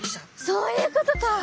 そういうことか！